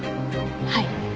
はい。